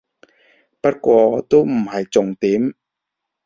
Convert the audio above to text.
不過都唔係重點